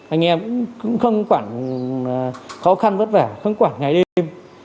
anh em cũng không quản khó khăn vất vả không quản ngày đêm